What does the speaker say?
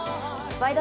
「ワイド！